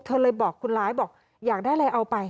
เธอเลยบอกคนร้ายบอกอยากได้อะไรเอาไป